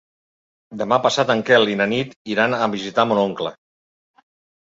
Demà passat en Quel i na Nit iran a visitar mon oncle.